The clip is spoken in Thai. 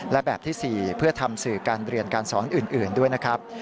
และแบบที่๔เพื่อทำสื่อการเรียนการสอนอื่นด้วยนะครับ